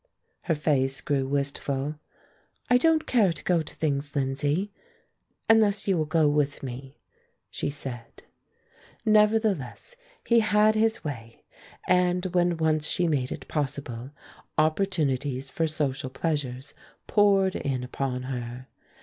Her face grew wistful. "I don't care to go to things, Lindsay, unless you will go with me," she said. Nevertheless, he had his way, and when once she made it possible, opportunities for social pleasures poured in upon her.